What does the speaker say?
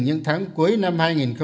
những tháng cuối năm hai nghìn hai mươi